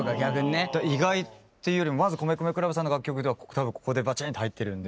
意外っていうよりまず米米ＣＬＵＢさんの楽曲ではここでバチンと入ってるんで。